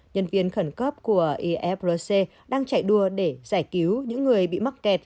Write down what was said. nhân viên khẩn cấp của ifrc đang chạy đua để giải cứu những người bị mắc kẹt